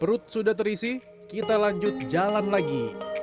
perut sudah terisi kita lanjut jalan lagi